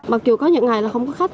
mặc dù có những ngày là không có khách